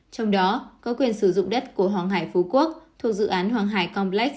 trong đó có quyền sử dụng đất của hoàng hải phú quốc thuộc dự án hoàng hải complex